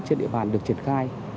trên địa bàn được triển khai